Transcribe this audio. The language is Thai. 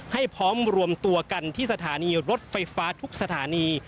ให้พร้อมรวมตัวกันที่สถานีรถไฟฟ้าทุกสถานี